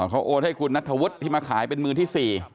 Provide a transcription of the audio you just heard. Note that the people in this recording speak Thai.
เขาโอนให้คุณนัทธวุฒิที่มาขายเป็นมือที่๔